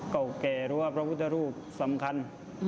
เก่าแก่หรือว่าพระพุทธรูปสำคัญ